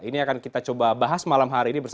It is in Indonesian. ini akan kita coba bahas malam hari ini